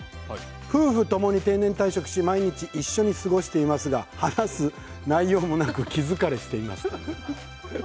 夫婦ともに、定年退職し毎日一緒に過ごしていますが話す内容もなく気疲れしていますと。